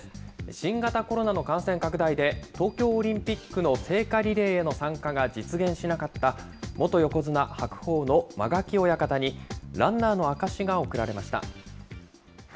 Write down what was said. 新型コロナの感染拡大で、東京オリンピックの聖火リレーへの参加が実現しなかった、元横綱・白鵬の間垣親方に、ランナーの証しが贈られました。